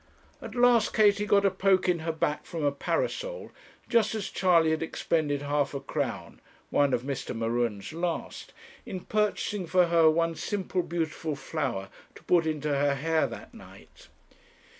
At last Katie got a poke in her back from a parasol, just as Charley had expended half a crown, one of Mr. M'Ruen's last, in purchasing for her one simple beautiful flower, to put into her hair that night.